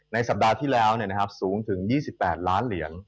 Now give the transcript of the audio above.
ในสัปดาห์ที่แล้วเนี่ยนะครับสูงถึง๒๘ล้านเหรียญ